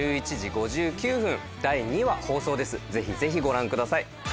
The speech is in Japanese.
ぜひぜひご覧ください。